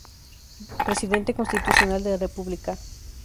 Presidente Constitucional de la República.